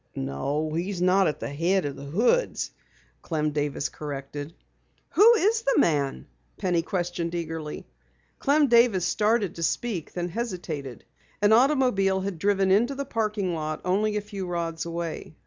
"No, he's not at the head of the Hoods," Clem Davis corrected. "Who is the man?" Penny questioned eagerly. Clem Davis started to speak, then hesitated. An automobile had driven into the parking area only a few rods away.